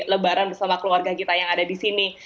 lebaran bersama keluarga kita yang ada di sini